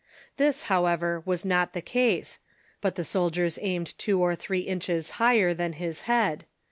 This, however, was not the case ; but the soldiers aimed two or three inches higher than Iiis head.